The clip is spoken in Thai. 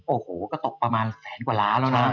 โอ้โหก็ตกประมาณแสนกว่าล้านแล้วนะ